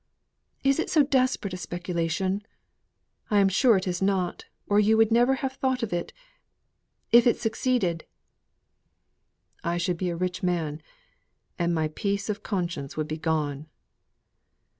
Is it so desperate a speculation? I am sure it is not, or you would never have thought of it. If it succeeded " "I should be a rich man, and my peace of conscience would be gone!"